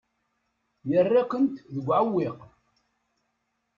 Yerra-kent deg uɛewwiq.